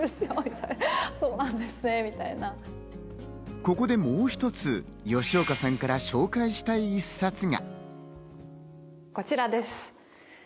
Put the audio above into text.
ここでもう一つ、吉岡さんから紹介したい一冊が。